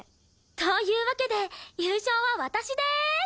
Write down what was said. というわけで優勝は私でーす！